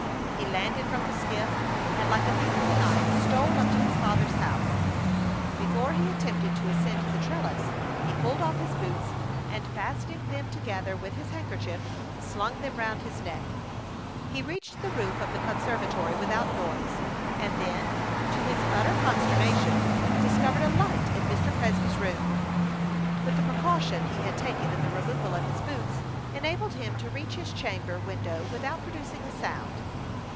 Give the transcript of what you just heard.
He landed from the skiff, and, like a thief in the night, stole up to his father's house. Before he attempted to ascend the trellis, he pulled off his boots, and fastening them together with his handkerchief, slung them around his neck. He reached the roof of the conservatory without noise, and then, to his utter consternation, discovered a light in Mr. Presby's room. But the precaution he had taken in the removal of his boots enabled him to reach his chamber window without producing a sound.